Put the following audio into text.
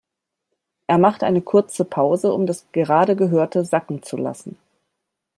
Er macht eine kurze Pause, um das gerade Gehörte sacken zu lassen.